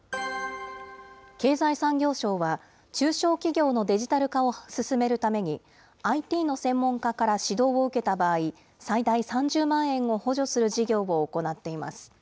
経済産業省は、中小企業のデジタル化を進めるために、ＩＴの専門家から指導を受けた場合、最大３０万円を補助する事業を行っています。